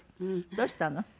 どうしたの？